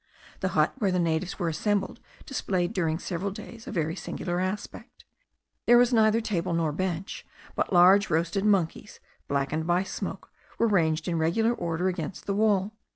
The hut where the natives were assembled, displayed during several days a very singular aspect. There was neither table nor bench; but large roasted monkeys, blackened by smoke, were ranged in regular order against the wall.